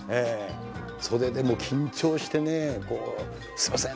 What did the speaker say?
袖でもう緊張してね「すいません！